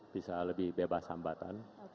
bisa lebih bebas hambatan